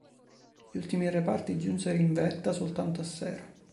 Gli ultimi reparti giunsero in vetta soltanto a sera.